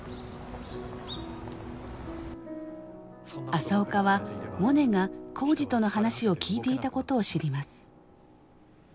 朝岡はモネが耕治との話を聞いていたことを知ります。